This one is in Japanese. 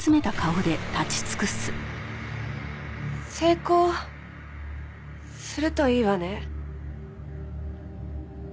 成功するといいわね。